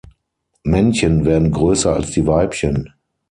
Männchen werden größer als die Weibchen.